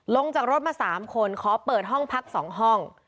ลงจากรถมา๓คนขอเปิดห้องพัก๒ห้อง